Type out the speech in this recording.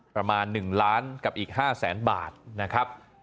ประมาณ๑ล้านกับอีก๕แสนบาทนะครับ